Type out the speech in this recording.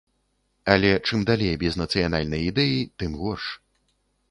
Але чым далей без нацыянальнай ідэі, тым горш.